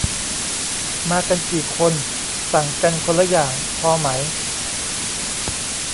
มากันกี่คน สั่งกันคนละอย่าง พอไหม